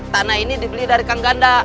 tanah ini dibeli dari kang ganda